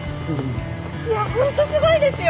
いや本当すごいですよ！